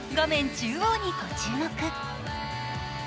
中央にご注目。